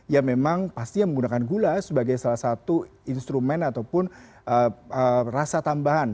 yang memang pasti menggunakan gula sebagai salah satu instrumen ataupun rasa tambahan